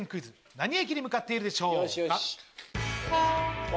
何駅に向かっているでしょうか？